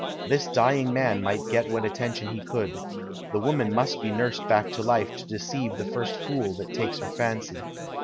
This dying man might get what attention he could. The woman must be nursed back to life to deceive the first fool that takes her fancy.